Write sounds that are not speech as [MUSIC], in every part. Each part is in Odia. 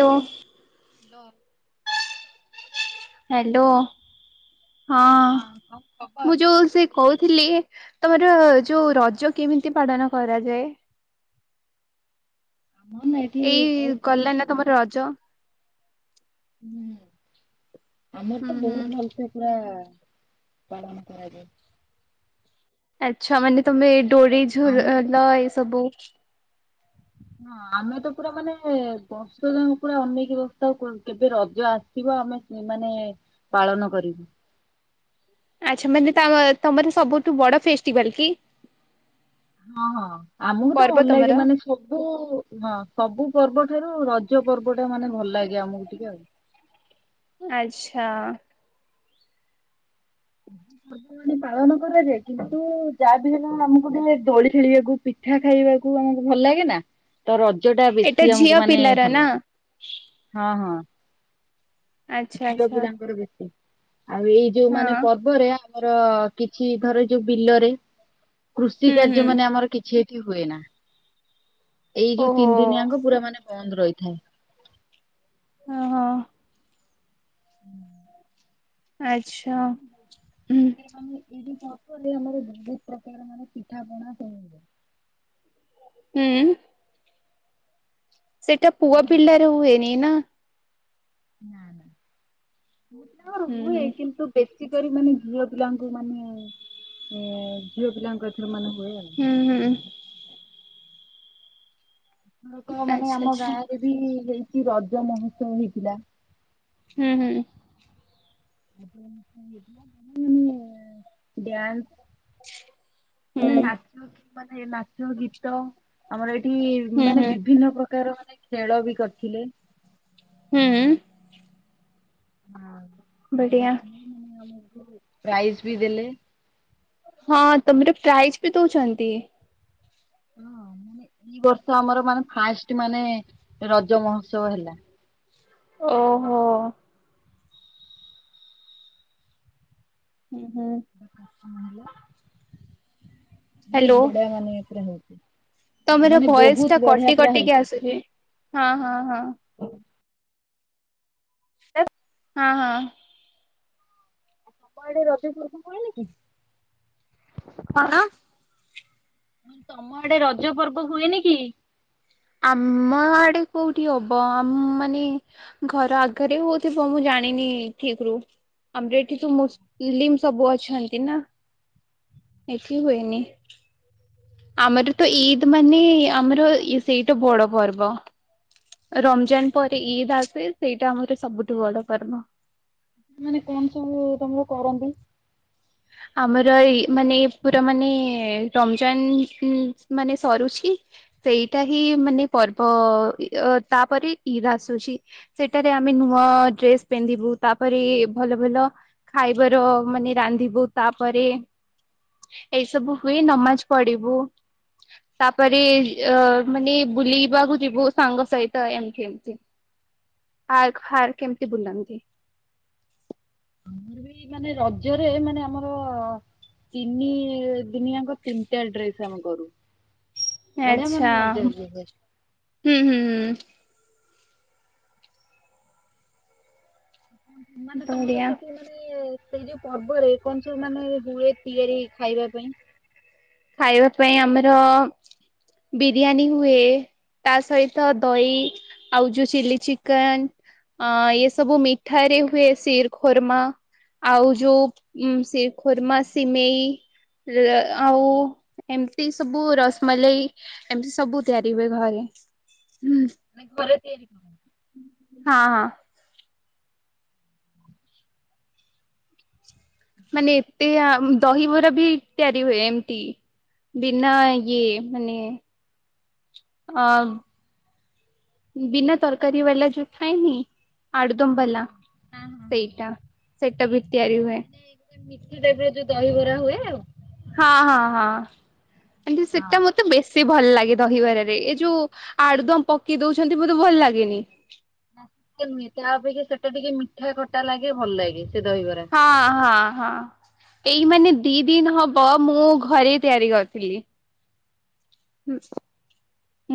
ହଉ। ଦ। ହ୍ୟାଲୋ ହଁ। ହଁ ହ। ମୁଁ ଯୋଉ ସେ କହୁଥିଲି ତମର ଯୋଉ ରଜ କେମିତି ପାଳନ କରାଯାଏ? [UNINTELLIGIBLE] ଏଇ ବହୁତ ଭଲ ଗଲାନା ତମର ରଜ। ହୁଁ ଆମର ତ ହୁଁ ବହୁତ ଭଲ। ସେ ପୁରା ପାଳନ କରାଯାଏ। ଆଚ୍ଛା ମାନେ ତମେ ଡୋରେ ଲ ଏ ସବୁ ହଁ ଆମେ ତ ପୁରା ମାନେ ବର୍ଷ ପୁରା ଅନେଇକି ବସିଥାଉ ଆଉ କେବେ ରଜ ଆସ ଥିବ ଆମେ ମାନେ ପାଳନ କରିବୁ। ଆଚ୍ଛା ମାନେ ତମର ସବୁଠୁ ବଡ ଫେଷ୍ଟିଭାଲ କି? ହଁ ହଁ ଆମକୁ ତ ପର୍ବ ଭଲ ତମର? ଲାଗେ ମାନେ ସବୁ ହଁ ସବୁ ପର୍ବ ଠାରୁ ରଜ ପର୍ବ ଟା ମାନେ ଭଲ ଲାଗେ ଆମକୁ ଟିକେ ଆଉ। ଆଚ୍ଛା। ମାନେ ପାଳନ କରାଯାଏ କିନ୍ତୁ ଯାହା ବି ହେଲା ଆମକୁ ଟିକେ ଦୋଳି ଖେଳିବାକୁ ମିିଠା ଖାଇବାକୁ ଆମକୁ ଭଲ ଲାଗେ ନା ତ ରଜ ଟା ଏଟା ବେଶୀ ଝିଅ ଆମକୁ ମାନେ ପିଲାର ଭଲ ନା ଲାଗେ। ହଁ ହଁ। ଆଚ୍ଛା ଝିଅ ଆଚ୍ଛା ପିଲାଙ୍କର ବେଶୀ ଆଉ ଏଇ ଯୋଉ ହଁ ମାନେ ପର୍ବରେ ଆଉ ଆମର କିଛି ଧର ଯୋଉ ବିଲରେ କୃଷି ହୁଁ ହୁଁ କାର୍ଯ୍ୟ ମାନେ ଆମର ସେଠି ହୁଏ ନା ଏଇ ଯୋଉ ଓହୋ ତିନି ଦିନିଆଙ୍କ ପୁରା ମାନେ ବନ୍ଦ ରହିଥାଏ। ଓ ହଁ। ହୁଁ। ଆଚ୍ଛା ହୁଁ। ମାନେ ଏଇଠି କର ଆମର ବହୁତ ପ୍ରକାର ମାନେ ପିଠା ପଣା [UNINTELLIGIBLE] ହୁଁ। ସେଇଟା ପୁଅ ଦୋଳି ର ପିଲାରେ ହୁଏନି ନା? ନା ନା ମୁଁ ଆର ହୁଁ ହୁଏ ହୁଁ କିନ୍ତୁ ବେଶୀ ପରି ମାନେ ଝିଅ ପିଲାଙ୍କୁ ମାନେ ଏ ଝିଅ ପିଲାଙ୍କୁ ଏଥର ମାନେ ହୁଏ। ଆଉ। ହୁଁ ହୁଁ। ତ ମାନେ ଆମ ଗାଁ ରେ ବି [UNINTELLIGIBLE] ରଜ ମହୋତ୍ସବ ହେଇଥିଲା ହୁଁ ହୁଁ। [UNINTELLIGIBLE] ମାନେ ନାଚ ମାନେ ନାଚ ଗୀତ। ଆମର ଏଇଠି ମାନେ ବିଭିନ୍ନ ପ୍ରକାର ମାନେ ଖେଳ ବି କରିଥିଲେ। ହୁଁ। ମାନେ ଆମ ପ୍ରାଇଜ ବି ଦେଲେ। ହଁ ତମର ପ୍ରାଇଜ ବି ଦଉଛନ୍ତି। ହଁ ମାନେ ଏଇ ବର୍ଷ ଆମର ମାନେ ଫାଷ୍ଟ ମାନେ ରଜ ମହୋତ୍ସବ ହେଲା। ଓହୋ ହୁଁ ହୁଁ ମହିଳା ହ୍ୟାଲୋ ବହୁତ ବଢିଆ ମାନେ ଏଥିରେ ହଉଛି ତମର ଭୟସ ଟା କଟି କଟିକି ଆସୁଛି ହଁ ହଁ ହଁ ହ [UNINTELLIGIBLE] ହଁ ହଁ କୁଆଡେ ରଜ ସ [UNINTELLIGIBLE] ପଲେଇଲେ କି କହଣ ମାନେ ତମ ଆଡେ ରଜ ପର୍ବ ହୁଏନି କି? ଆମ ଆଡେ କୋଉଠି ହବ ଆମ ମାନେ ଘର ଆଗରେ ହଉଥିବ ମୁଁ ଜାଣିନି ଠିକ ରୁ ଆମର ଏଠି ତୁ ମୁସଲିମ ସବୁ ଅଛନ୍ତି ନା ଏଠି ହୁଏନି ଆମର ତ ଇଦ୍ ମାନେ ଆମର ସେଇଟା ବଡ ପର୍ବ ରମଜାନ ପରେ ଇଦ୍ ଆସେ ସେଇଟା ଆମର ସବୁଠୁ ବଡ ପର୍ବ ମାନେ କଣ ସବୁ ତମର କରନ୍ତି? ଆମର ଏଇ ମାନେ ପୁରା ମାନେ ରମଜାନ ମାନେ ସରୁଛି ସେଇଟା ହିଁ ମାନେ ପର୍ବ ତାପରେ ଇଦ୍ ଆସୁଛି। ସେଟାରେ ଆମେ ନୂଆ ଡ୍ରେସ ପିନ୍ଧିବୁ ତାପରେ ଭଲ ଭଲ ଖାଇବାର ମାନେ ରାନ୍ଧିବୁ ତାପରେ ଏଇ ସବୁ ହୁଏ ନମାଜ ପଢିବୁ ତାପରେ ଅ ମାନେ ବୁଲିବାକୁ ଯିବୁ ସାଙ୍ଗ ସହିତ ଏମିତି ଏମିତି ଆର୍କ ହାର୍ କେମିତି ବୁଲନ୍ତି? ଆମର ବି ମାନେ ରଜରେ ମାନେ ଆମର ତିନି ଦିନିଆଙ୍କ ତିନିଟା ଡ୍ରେସ ଆମେ କରୁ ବଢିଆ ଆଚ୍ଛା ମନେ ମଜା ଆସିଜାଇଥାଏ ହୁଁ ହୁଁ ହୁଁ ମାନେ ତମର ବଢିଆ ସେଠି ମାନେ ସେଇ ଯୋଉ ପର୍ବରେ କଣ ସବୁ ମାନେ ହୁଏ ତିଆରି ଖାଇବା ପାଇଁ? ଖାଇବା ପାଇଁ ଆମର ବିରିୟାନୀ ହୁଏ। ତା ସହିତ ଦହି ଆଉ ଯୋଉ ଚିଲି ଚିକନ ଅ ଇଏ ସବୁ ମିଠା ରେ ହୁଏ ଶିର ଖର୍ମା ଆଉ ଯୋଉ ସିର ଖୁର୍ମା ସିମେଇ ଲ ଆଉ ଏମିତି ସବୁ ରସମଲେଇ ଏମିତି ସବୁ ତିଆରି ହୁଏ ଘରେ ହ ଘରେ ତିଆରି ହୁଏ। ହଁ ହଁ ମାନେ ଏତେ ଆ ଦହିବରା ବି ତିଆରି ହୁଏ ଏମିତି ବିନା ଇଏ ମାନେ ଅ ବିନା ତରକାରୀ ବାଲା ଯୋଉ ଥାଏନି ଆଡୁଦମ୍ ବାଲା ସେଇଟା ସେଇଟା ବି ତିଆରି ହୁଏ। ମୀଠୀ ଦେବେ ଯୋଉ ଦହିିବରା ହୁଏ ଆଉ ହଁ ହଁ ହଁ [UNINTELLIGIBLE] ହଁ। ସେଟା ମ ତେ ବେଶୀ ଭଲ ଲାଗେ ଦହିବରାରେ ଏ ଯୋଉ ଆଡୁଦମ ପକେଇ ଦଉଛନ୍ତି ମତେ ଭଲ ଲାଗେନି ନୁହେଁ ତା ଅପେକ୍ଷା ସେଟା ଟିକେ ମିଠା ଖଟା ଲାଗେ ଭଲ ଲାଗେ ସେ ଦହିବରା ହଁ ହଁ ହଁ ଏଇ ମାନେ ଦି ଦିନି ହବ ମୁଁ ଘରେ ତିଆରି କରିଥିଲି। ହୁ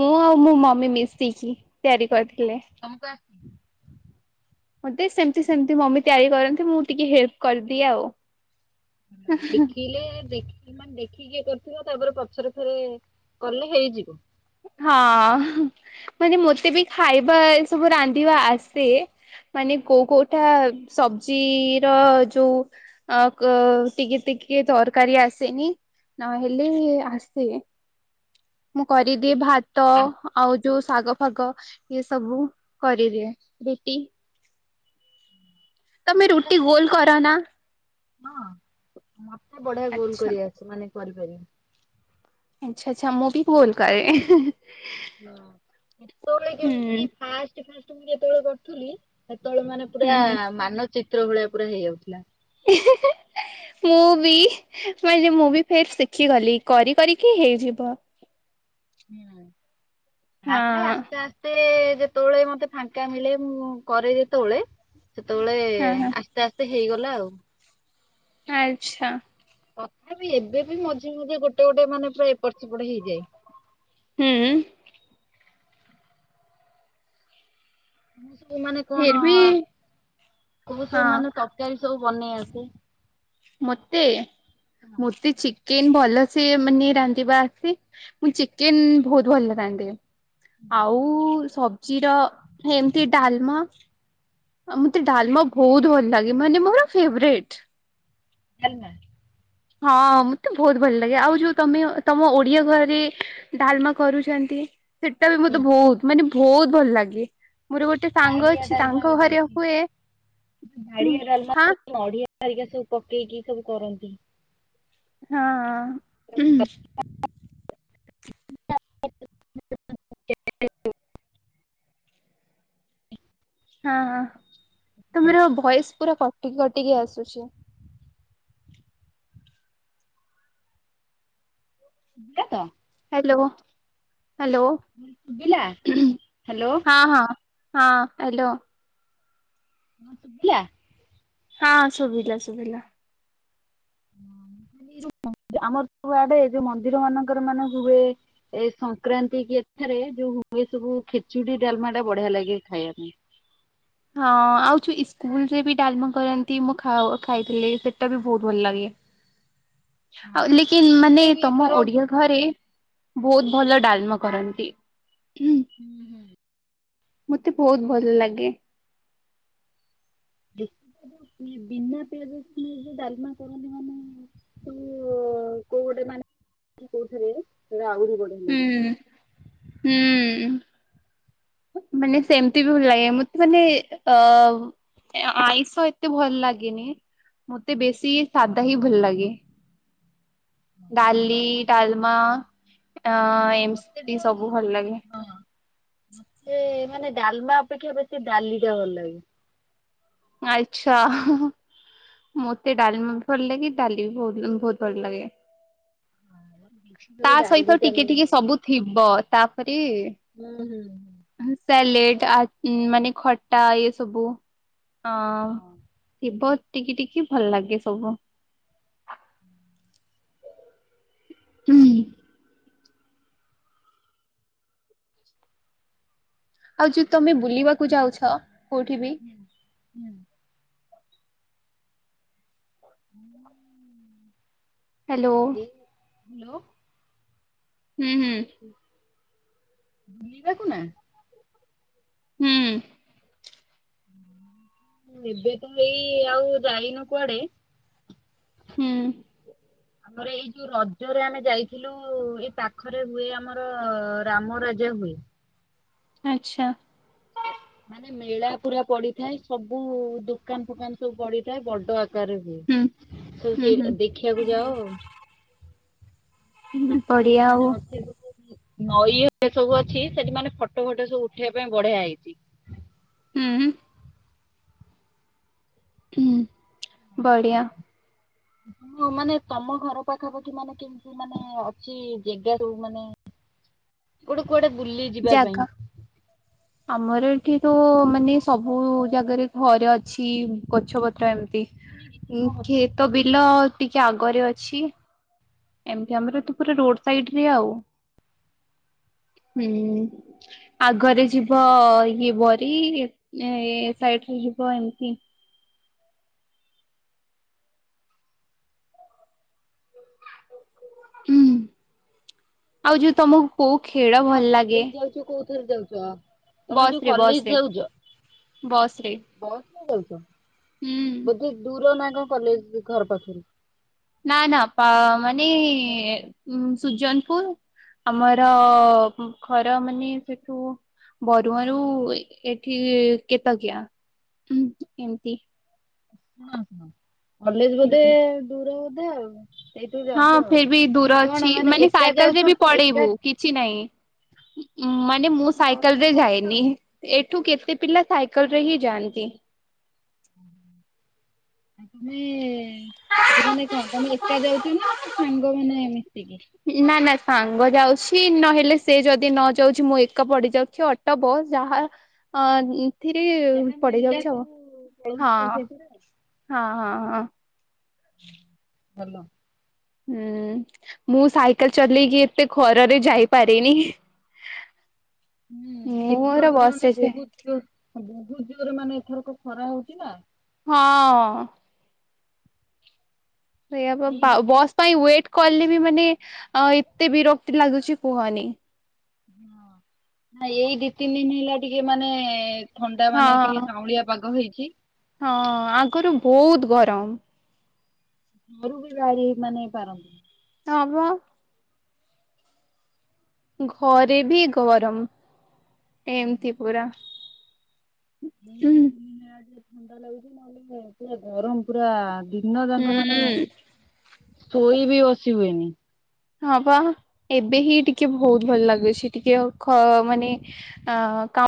ମୁଁ ଆଉ ମୋ ମମି ମିଶେଇକି ତିଆରି କରିଥିଲେ ତମକୁ ଆସି ମତେ ସେମିତି ସେମିତି ମମି ତିଆରି କରନ୍ତି ମୁଁ ଟିକେ ହେଲ୍ପ କରିଦିଏ ଆଉ। ଦେଖିଲେ ଦେଖ ମାନେ ଦେଖିକିି କିଏ କରିଥିବ ତାପରେ ପଛରେ ଫେରେ କଲେ ହେଇଯିବ। ହଁ ମାନେ ମତେ ବି ଖାଇବା ସବୁ ରାନ୍ଧିବା ଆସେ। ମାନେ କୋଉ କୋଉଟା ସବଜି ର ଯୋଉ ଅ ଟିକେ ଟିକେ ତରକାରୀ ଆସନି ନ ହେଲେ ଆସେ। ମୁଁ କରିଦିଏ ଭାତ ଆ ଆଉ ଯୋଉ ଶାଗ ଫାଗ ଇଏ ସବୁ କରିଦିଏ ରୁଟି ତମେ ରୁଟି ଗୋଲ କର ନା? ମତେ ବଢିଆ ଗୋଲ୍ ଆଚ୍ଛା କରି ଆସ ମାନେ କରିପାରିବି। ଆଚ୍ଛା ଆଚ୍ଛା ମୁଁ ବି ଗୋଲ କରେ। ହଁ ଯେତେବେଳେ ହୁଁ କେମତି ଫାଷ୍ଟ ଫାଷ୍ଟ ମୁ ଯେତେବେଳେ କରୁଥିଲି ସେତେବେଳେ ମାନେ ହୁଁ ପୁରା ହୁଁ। ମାନଚିତ୍ର ଭଳିଆ ପୁରା ହେଇଯାଉଥିଲା। ହେ ହେ ହେ ମୁଁ ବି ମାନେ ମୁଁ ବି ଫେର ଶିଖିଗଲି କରି କରିକି ହେଇଯିବ। ହୁଁ ହଁ ତାପରେ ଆସ୍ତେ ଆସ୍ତେ ମତେ ଯେତେବେଳେ ମତେ ଫାଙ୍କା ମିଳେ ମୁଁ କରେ ଯେତେବେଳେ ସେତେବେଳେ ହଁ ହଁ ଆସ୍ତେ ଆସ୍ତେ ହେଇଗଲା ଆଉ। ଆଚ୍ଛା ତଥାପି ଏବେ ବି ମଝେ ମଝେ ଗୋଟେ ଗୋଟେ ମାନେ ପୁରା ଏପଟ ସେପଟେ ହେଇଯାଏ। ହୁଁ ମୁଁ ସବୁ ମାନେ କଣ ଫିର୍ ବି କୋଉ ହଁ ସବୁ ମାନେ ତରକାରୀ ବନେଇ ଆସେ? ମତେ ମତେ ଚିକେନ ଭଲ ସେ ମାନେ ରାନ୍ଧିବା ଆସେ ମୁଁ ଚିକେନ ବହୁତ ଭଲ ଲଥାନ୍ତେ ଆଉ ସବୁ ଜିର ଏମିତି ଡାଲମା ଆଉ ମତେ ଡାଲମା ବହୁତ ଭଲ ଲାଗେ ମାନେ ମୋର ଫେଭରେଟ। କାଲ୍ନା ହଁ ମତେ ବହୁତ ଭଲ ଲାଗେ ଆଉ ଯୋଉ ତମେ ତମ ଓଡିଆ ଘରେ ଡାଲମା କରୁଛନ୍ତି ସେଟା ବି ହଁ ମତେ ବହୁତ ମାନେ ବହୁତ ଭଲ ଲାଗେ ମୋର ଗୋଟେ ସାଙ୍ଗ ଅଛି ତାଙ୍ଗ ଘର ହୁଏ ଉଁ ହାଁ ନଢିଆ ରିକା ସବୁ ପକେଇକି ସବୁ କରନ୍ତି଼। ହଁ ଉହୁଁ ହଁ ହଁ ତୁମର ଭ‌ଏସ୍ ପୁରା କଟି କଟିକି ଆସୁଛି। କାତ ହାଲୋ ହାଲୋ। ବିଲା ହାଲୋ। ହଁ ହଁ ହଁ ହାଲୋ। ହଁ ସୁଭିଲା। ହଁ ଶୁଭିଲା ଶୁଭିଲା। ମ ଆମର୍ ରୁଆଡେ ଯୋଉ ମନ୍ଦିର ମାନଙ୍କରେ ମାନ ହୁଏ। ଏ ସଂକ୍ରାନ୍ତି କି ଏଠାରେ ଯୋଉ ହୁଏ ସବୁ ଖିଚୁଡି ଡାଲମା ଟା ବଢିଆ ଲାଗେ ଖାଇବା ପାଇଁ। ହଁ ଆଉ ଯୋଉ ଇସ୍କୁଲରେ ବି ଡାଲମା କରନ୍ତି ମୁଁ ଖାଉ ଖାଇଥିଲି ସେଟା ବି ବହୁତ ଭଲ ଲାଗେ। ଆଉ ଲେକିନ୍ ମାନେ ତମ ଓଡିଆ ଘରେ ବହୁତ ଭଲ ଡାଲ୍ମ କରନ୍ତି। ଉଁ ହୁଁ ହୁଁ। ମତେ ବହୁତ ଭଲ ଲାଗେ। ଦିଖ୍ ଯ ବିନା ପିଆଜାସୁନ ରେ ଯୋଉ ଡାଲମା କରନ୍ତି ମାନେ ତୁ କୋଉ ଗୋଟେ ମାନେ କୋଉଥିରେ ସେଆହୁରି ଉଁ ଉଁ ମାନେ ସେମ୍ତି ଭଲାଗେ ମତେ ମାନେ ଅ ଏଆଁଇଷ ଏତେ ଭଲ ଲାଗେନି। ମୋତେ ବେଶୀ ସାଧା ହିଁ ଭଲ ଲାଗେ। ଡାଲି, ଡାଲମା ଆଁ ଏମ୍ସତି ସବୁ ଭଲ ଲାଗେ। ମତେ ମାନେ ଡାଲ୍ମା ଅପେକ୍ଷା ବେଶୀ ଡାଲି ଟା ଭଲ ଲାଗେ। ଆଚ୍ଛା ହାଁଆ ମତେ ଡାଲିମ ଭଲ ଲାଗେ ଡାଲି ବହୁତ ଉଁ ବହୁତ ଭଲ ଲାଗେ। ତା ସେଥିରେ ସହିତ ଡାଲିଟା ଟିକେ ମାନେ ଟିକେ ଭଲ ସବୁ ଥିବ ତାପରେ ହୁଁ ହୁଁ। ଉହୁଁ ସାଲେଡ୍ ଆ ମାନେ ଖଟା ଇ ସବୁ ଅଁ ହଁ ଥିବ ଟିକି ଟିକି ଭଲ ଲାଗେ ସବୁ। ହୁଁ। ଆଉ ଯୋଉ ତମେ ବୁଲିବାକୁ ଯାଉଛ କୋଉଠି ବି ହୁଁ। [UNINTELLIGIBLE] ହେଲୋ ହୁଁ ହୁଁ। ବୁଲିବାକୁ ନା ହୁଁ। ଏବେ ତ ଏଇ ଆଉ ଯାଇନ କୁଆଡେ? ହୁଁ। ଆମର ଏଇ ଯୋଉ ରଜରେ ଆମେ ଯାଇଥିଲୁ ଏଇ ପାଖରେ ହୁଏ ଆମର ରାମ ରାଜା ହୁଏ। ଆଚ୍ଛା। ମାନେ ମେଳା ପୁରା ପଡିଥାଏ ସବୁ ଦୁକାନ୍ ଫୁକାନ୍ ସବୁ ପଡିଥାଏ ବଡ ଆକାରେ। ତୁ ସେ ଦେଖିବାକୁ ଯାଅ। [UNINTELLIGIBLE] ବଢିଆ ଆଉ ମାନେ ଅଛି ପକେ ନଈ ଏ ସବୁ ଅଛି ସେଠି ମାନେ ଫଟୋ ଫଟ ସବୁ ଉଠେଇବା ପାଇଁ ବଢିଆ ହେଇଛି। ହୁଁ। ହଁ ବଢ଼ିଆ। ତ ମାନେ ତମ ଘର ପାଖାପାଖି ମାନେ କେମତ ମାନେ ଅଛି ଜାଗା [UNINTELLIGIBLE] ମାନେ ଗୋଟେ କୁଆଡେ ବୁଲି ଯିବା ଜାଗା ପାଇଁ। ଆମର ଏଠି ତ ମାନେ ସବୁ ଜାଗାରେ ଘରେ ଅଛି ଗଛ ପତ୍ର ଏମିତି ପୁଣି କିଛି ତମ ଉଁ କଥା, କ୍ଷେତ ବିଲ ଟିକେ ଆଗରେ ଅଛି। ଏମତି ଆମର ତ ପୁରା ରୋଡ ସାଇଡରେ ଆଉ ହୁଁ। ଆଗରେ ଯିବ ଇଏ ବରି ଏ ସାଇଡରେ ଯିବ ଏମିତି ହୁଁ ଆଉ ଯୋଉ ତମକୁ କୋଉ ତମେ ଖେଳ ଭଲ କଣ ଲାଗେ କଲେଜ ଯାଉଛ କୋଉ ଥରେ ଯାଉଛ? ତମେ ବସ ଯୋଉ ରେ ବସ କଲେଜ ରେ ଯାଉଛ ବସ୍ ରେ ବସ୍ ରେ ଯାଉଛ ହୁଁ ବୋଧେ ଦୂର ନା କଣ କଲେଜ ଘର ପାଖରୁ ନା ନା ଅପା ମାନେ ସୁଜନପୁର। ଆମର ଘର ମାନେ ସେଠୁ ବରୁଆରୁ ଏଠି କେତକିଆଁ ଉଁ ଏମିତି। ହଁ ହଁ କଲେଜ ବୋଧେ ହୁଁ ଦୂର ବୋଧେ ଆଉ। ସେଇଥିରୁ ଯାଉଛ ହଁ ଆଉ ଫେର ବି କିନ୍ତୁ ଦୂର ଅଛି ମାନେ ସାଇକେଲ ରେ ବି ପଡେଇବୁ କି କିଛି ନାଇଁ ମାନେ ମୁଁ ସାଇକେଲ ବସରେ ରେ ପଳଉଛ ଯାଏନି। ଆଉ ଏଠୁ କେତେ ପିଲା ସାଇକେଲ ରେ ହିଁ ଯାଆନ୍ତି। ତମେ ଜୀବନେ କଣ ତମେ ଏକ ଯାଉଛ ନା ସାଙ୍ଗମାନେ ମିଶିକି? ନା ନା ସାଙ୍ଗ ଯାଉଛି ନହେଲେ ସେ ଯଦି ନ ଯାଉଛି ମୁଁ ଏକ ପଡିଯାଉଛି ଅ ଟ ବସ ଯାହା ଅ ଉଁ ଯାହା ମିଳିଲା ସବୁ ପଳଉଛ ହଁ ସେଥିରେ ଆଉ। ହଁ ହଁ ହଁ। ଭଲ। ହୁଁ ମୁଁ ସାଇକେଲ ଚଲେଇକି ଏତେ ଘରରେ ଯାଇପାରିନି। ମୁଁ ର ବସିଛି ଯ ବହୁୁତ ଜଝିଅରେ ମାନେ ଏଥରକ ଖରା ହଉଛି ନା ହଁ ସେଆ ଏଇ ଦି ତିନି ବସ୍ ପାଇଁ ୱେଟ କଲେ ବି ମାନେ ଏତେ ବିରକ୍ତି ଲାଗୁଛି କୁହନି। ନା ଏଇ ଦି ତିନି ଦିନ ହେଲା ଟିକେ ମାନେ ଥଣ୍ଡା ମାନେ ଟିକେ ହଁ କାଉଁଳିଆ ପାଗ ହେଇଛି। ହଁ ଆଙ୍କର ବହୁତ ଗରମ। ମୋର ବି [UNINTELLIGIBLE] ମାନେ ପାରନ୍ତି [UNINTELLIGIBLE] ଘରେ ବି ଗରମ ଏମତି ପୁରା। ଏ ହୁଁ। ଦି ଦ ଥଣ୍ଡା ଲାଗୁଛି ନହେଲେ ପୁରା ଗରମ ପୁରା ଦିନ ଯାକ ମାନେ ହୁଁ ଶୋଇ ବି ବସି ହୁଏନି। ହଁ ବା ଏବେ ହିଁ ଟିକେ ବହୁତ ଭଲ ଲାଗୁଛି ଟିକେ ଖ ମାନେ ଅ